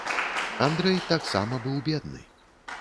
Андрэй таксама быў бедны.